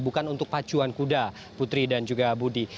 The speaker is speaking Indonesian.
bukan untuk pacuan kuda putri dan juga budi